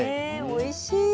おいしい。